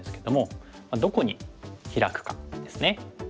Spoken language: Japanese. どこにヒラくかですね。